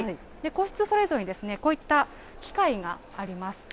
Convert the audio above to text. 個室それぞれにこういった機械があります。